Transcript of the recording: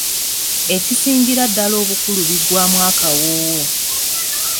Ekisingira ddala obukulu biggwaamu akawoowo.